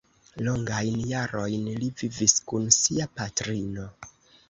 Longajn jarojn li vivis kun sia patrino.